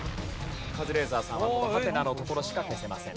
カズレーザーさんはこのハテナの所しか消せません。